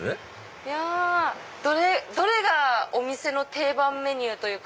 いやどれがお店の定番メニューというか。